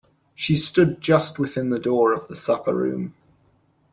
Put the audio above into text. She stood just within the door of the supper-room.